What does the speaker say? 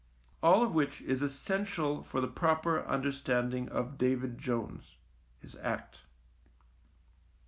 All of which is essential for the proper understanding of David Jones —his act.